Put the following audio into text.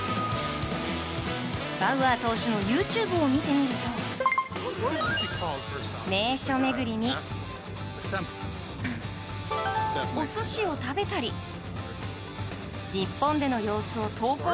バウアー投手のＹｏｕＴｕｂｅを見てみると名所巡りにお寿司を食べたり日本での様子を投稿。